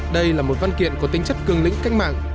đây là một văn kiện có tính chất cường lĩnh cách mạng